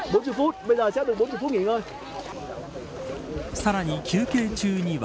さらに休憩中には。